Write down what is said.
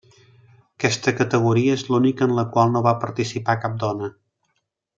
Aquesta categoria és l'única en la qual no va participar cap dona.